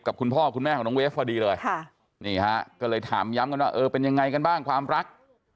คุณพ่อคุณแม่ของน้องเวฟพอดีเลยค่ะนี่ฮะก็เลยถามย้ำกันว่าเออเป็นยังไงกันบ้างความรัก